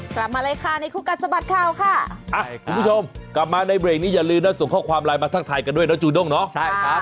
กลับมาเลยค่ะในคู่กัดสะบัดข่าวค่ะคุณผู้ชมกลับมาในเบรกนี้อย่าลืมนะส่งข้อความไลน์มาทักทายกันด้วยนะจูด้งเนาะใช่ครับ